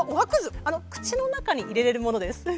口の中に入れれるものです。